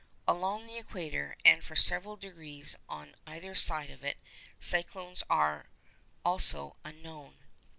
Along the equator, and for several degrees on either side of it, cyclones are also unknown.